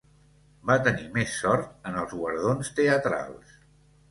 Va tenir més sort en els guardons teatrals.